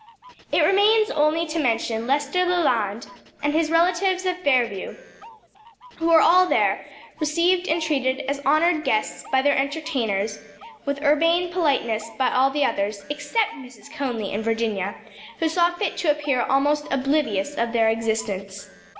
It remains only to mention Lester Leland and his relatives of Fairview, who were all there, received and treated as honored guests by their entertainers, with urbane politeness by all the others, except Mrs. Conly and Virginia, who saw fit to appear almost oblivious of their existence.